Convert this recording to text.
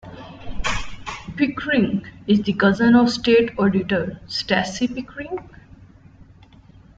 Pickering is the cousin of state auditor, Stacey Pickering.